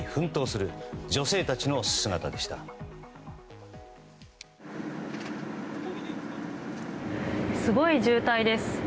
すごい渋滞です。